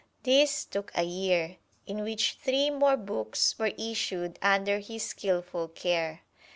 This took a year, in which three more books were issued under his skilful care.